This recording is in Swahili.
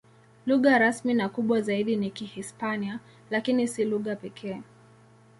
Lugha rasmi na kubwa zaidi ni Kihispania, lakini si lugha pekee.